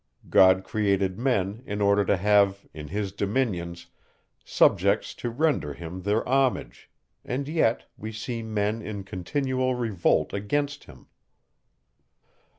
God created men in order to have, in his dominions, subjects to render him their homage; and yet, we see men in continual revolt against him.